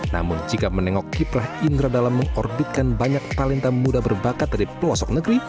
namun jika menengok kiprah indra dalam mengorbitkan banyak talenta muda berbakat dari pelosok negeri